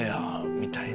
みたいな。